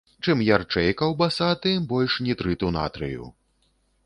Чым ярчэй каўбаса, тым больш нітрыту натрыю.